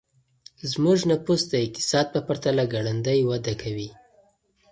زموږ نفوس د اقتصاد په پرتله ګړندی وده کوي.